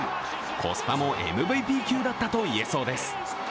コスパもＭＶＰ級だったといえそうです。